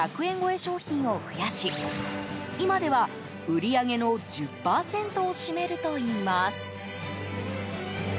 商品を増やし今では、売り上げの１０％を占めるといいます。